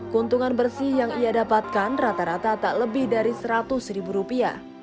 keuntungan bersih yang ia dapatkan rata rata tak lebih dari seratus ribu rupiah